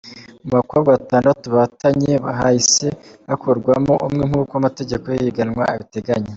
Mu bakobwa batandatu bahatanye, hahise hakurwamo umwe nk’uko amategeko y’ihiganwa abiteganya.